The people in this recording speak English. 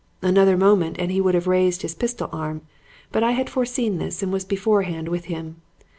Another moment and he would have raised his pistol arm, but I had foreseen this and was beforehand with him.